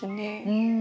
うん。